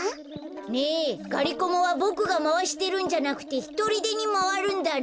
ねえがりコマはボクがまわしてるんじゃなくてひとりでにまわるんだね。